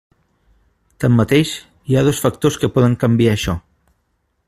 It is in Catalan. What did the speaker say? Tanmateix, hi ha dos factors que poden canviar això.